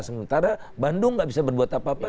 sementara bandung gak bisa berbuat apa apa